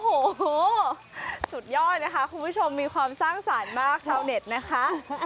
โอ้โหสุดยอดนะคะคุณผู้ชมมีความสร้างสรรค์มากชาวเน็ตนะคะ